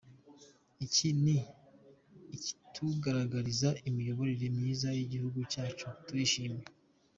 Iki ni ikitugaragariza imiyoborere myiza y’igihugu cyacu, turishimye”.